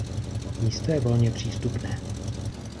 Místo je volně přístupné.